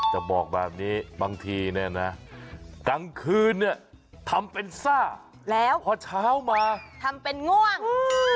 จะบอกแบบนี้บางทีเนี่ยนะกลางคืนเนี่ยทำเป็นซ่าแล้วพอเช้ามาทำเป็นง่วง